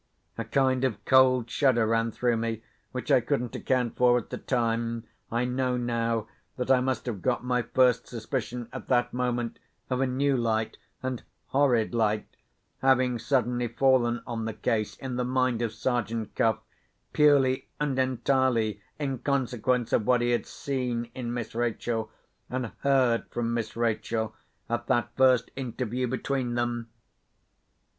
A kind of cold shudder ran through me, which I couldn't account for at the time. I know, now, that I must have got my first suspicion, at that moment, of a new light (and horrid light) having suddenly fallen on the case, in the mind of Sergeant Cuff—purely and entirely in consequence of what he had seen in Miss Rachel, and heard from Miss Rachel, at that first interview between them.